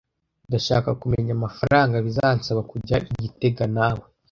Ndashaka kumenya amafaranga bizansaba kujya i gitega nawe.